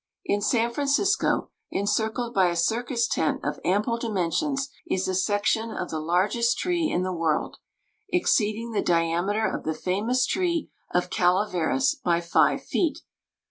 = In San Francisco, encircled by a circus tent of ample dimensions, is a section of the largest tree in the world exceeding the diameter of the famous tree of Calaveras by five feet.